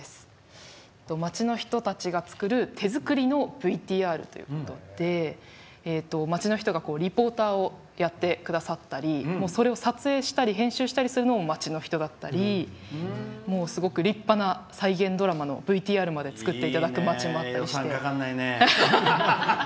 町の人たちが作る手作りのＶＴＲということで町の人がリポーターをやってくださったりそれを撮影したり編集したりするのも町の人だったりもう、すごく立派な再現ドラマのＶＴＲまで作っていただける町もあったりして。